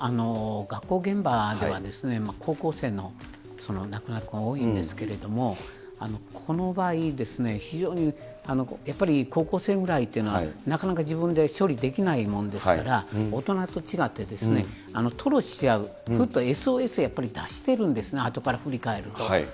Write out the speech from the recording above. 学校現場では、高校生の亡くなる子が多いんですけれども、この場合、非常にやっぱり高校生ぐらいっていうのは、なかなか自分で処理できないもんですから、大人と違って吐露し合う、ＳＯＳを出してるんですね、あとから振り返ると。